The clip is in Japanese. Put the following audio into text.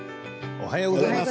おはようございます。